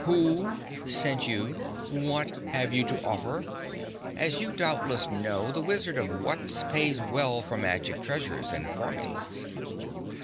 WHO sent you? WHAT have you to offer? As you doubtless know, the Wizard of Wutz pays well for magic treasures and formulas."